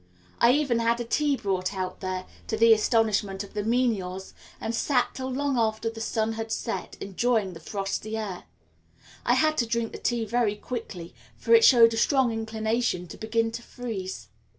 I even had tea brought out there, to the astonishment of the menials, and sat till long after the sun had set, enjoying the frosty air. I had to drink the tea very quickly, for it showed a strong inclination to begin to freeze.